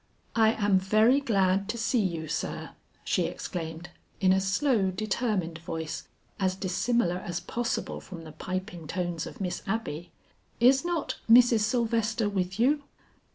"I am very glad to see you sir," she exclaimed in a slow determined voice as dissimilar as possible from the piping tones of Miss Abby. "Is not Mrs. Sylvester with you?"